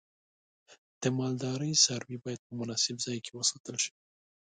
د مالدارۍ څاروی باید په مناسب ځای کې وساتل شي.